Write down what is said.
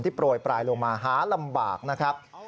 โปรยปลายลงมาหาลำบากนะครับ